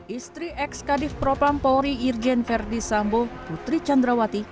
istri ex kadif propam polri irjen verdi sambo putri candrawati